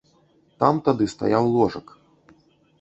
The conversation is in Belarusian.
Там тады стаяў ложак.